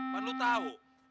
kan lo tau